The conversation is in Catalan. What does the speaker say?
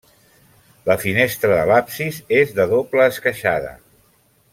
La finestra de l'absis és de doble esqueixada.